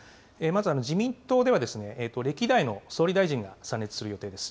まず自民党では、歴代の総理大臣が参列する予定です。